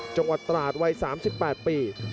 จังหวัดตราดวัย๓๘ปี